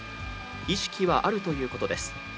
意識はあるということです。